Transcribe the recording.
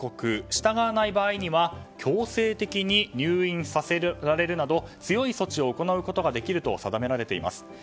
従わない場合には強制的に入院させられるなど強い措置を行うことができると定められています。